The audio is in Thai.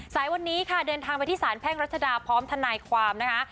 สายวันนี้ค่ะเดินทางไปที่สารแพ่งรัชดาพร้อมทนายความนะคะ